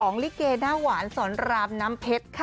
ของลิเกน่าหวานสนรามนำเพชรค่ะ